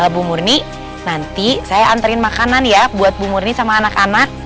bu murni nanti saya anterin makanan ya buat bu murni sama anak anak